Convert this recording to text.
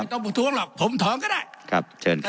ต้องประท้วงหรอกผมถอนก็ได้ครับเชิญครับ